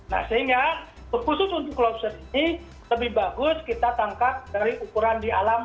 nah sehingga khusus untuk lobster ini lebih bagus kita tangkap dari ukuran di alam